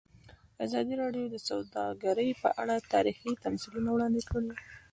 ازادي راډیو د سوداګري په اړه تاریخي تمثیلونه وړاندې کړي.